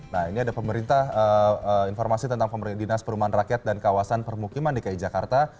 nah ini ada pemerintah informasi tentang dinas perumahan rakyat dan kawasan permukiman dki jakarta